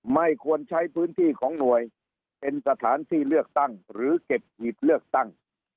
ไม่ควรใช้พื้นที่ของหน่วยเป็นสถานที่เลือกตั้งหรือเก็บหีบเลือกตั้ง